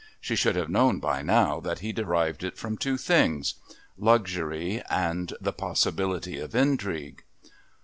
She should have known by now that he derived it from two things luxury and the possibility of intrigue.